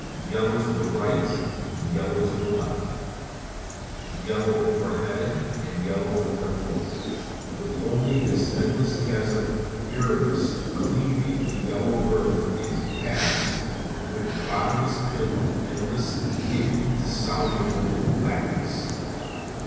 Yellow to the right and yellow to the left, yellow overhead and yellow underfoot; with only this endless chasm of Erebus cleaving the yellow earth in halves with its bottomless pit of endless and indissoluble blackness.